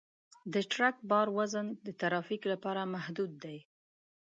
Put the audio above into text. د ټرک بار وزن د ترافیک لپاره محدود دی.